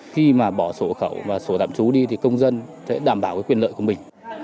khi mà bỏ sổ khẩu và sổ tạm trú đi thì công dân sẽ đảm bảo quyền lợi của mình